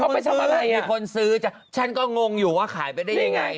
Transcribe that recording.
เขาไปทำอะไรมีคนซื้อจ้ะฉันก็งงอยู่ว่าขายไปได้ยังไง